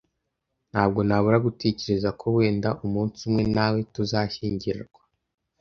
Ntabwo nabura gutekereza ko wenda umunsi umwe nawe tuzashyingirwa